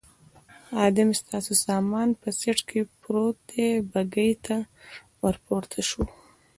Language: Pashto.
خادم: ستاسې سامان په سېټ کې پروت دی، بګۍ ته ور پورته شوو.